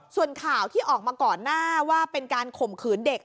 ส่วนข่าวที่ออกมาก่อนหน้าว่าเป็นการข่มขืนเด็ก